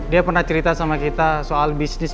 dia pernah cerita sama kita soal bisnis